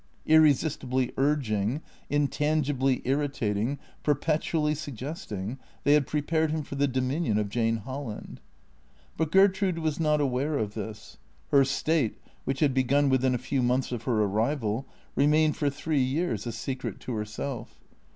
Irresistibly urging, intangibly irri tating, perpetually suggesting, they had prepared him for the dominion of Jane Holland. But Gertrude was not aware of this. Her state, which had begun within a few months of her arrival, remained for three years a secret to herself.